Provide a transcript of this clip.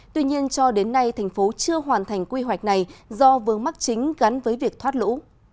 tuy nhiên cho đến nay thành phố chưa hoàn thành quy hoạch này do vương mắc chính gắn với việc thoát lũ